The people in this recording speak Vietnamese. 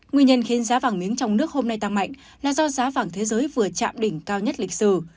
nguyên nhân khiến giá vàng miếng trong nước hôm nay tăng mạnh là do giá vàng thế giới vừa chạm đỉnh cao nhất lịch sử